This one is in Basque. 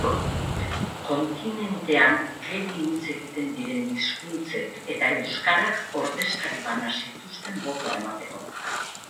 Kontinentean gehien hitz egiten diren hizkuntzek eta euskarak ordezkari bana zituzten botoa emateko.